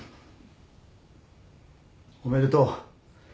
おめでとう。